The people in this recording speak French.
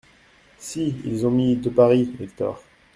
Si, ils ont mis : "de Paris." Hector.